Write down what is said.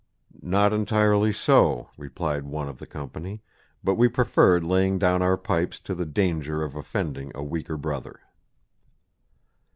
"Not entirely so," replied one of the company, "but we preferred laying down our pipes to the danger of offending a weaker brother."